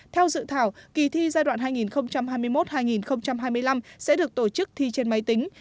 theo dự thảo kỳ thi giai đoạn hai nghìn hai mươi một hai nghìn hai mươi năm sẽ được tổ chức thi trên máy tính